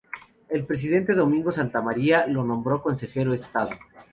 El presidente Domingo Santa María lo nombró consejero Estado.